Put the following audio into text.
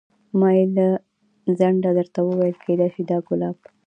ما بې له ځنډه درته وویل کېدای شي دا ګلاب.